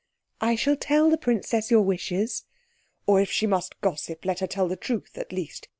"I shall tell the princess your wishes." "Or, if she must gossip, let her tell the truth at least.